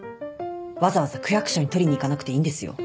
わざわざ区役所に取りに行かなくていいんですよ。